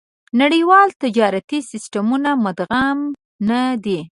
نړيوال تجارتي سېسټم مدغم نه دي.